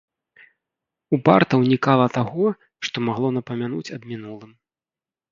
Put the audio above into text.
Упарта ўнікала таго, што магло напамянуць аб мінулым.